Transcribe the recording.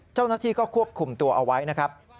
เจ้าหน้าที่ก็ควบคุมตัวเอาไว้นะครับ